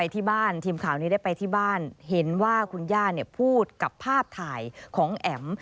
ที่บ้านทีมข่าวนี้ได้ไปที่บ้านเห็นว่าคุณย่าพูดกับภาพถ่ายของแอ๋ม